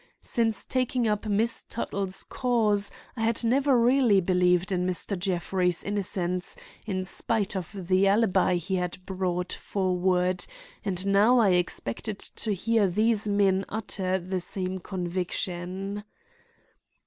Since taking up Miss Tuttle's cause I had never really believed in Mr. Jeffrey's innocence in spite of the alibi he had brought forward, and now I expected to hear these men utter the same conviction.